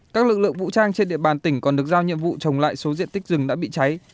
các lực lượng vũ trang trên địa bàn tỉnh còn được giao nhiệm vụ trồng lại số diện tích rừng đã bị cháy